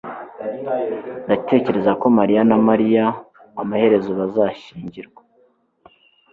Ndatekereza ko mariya na Mariya amaherezo bazashyingirwa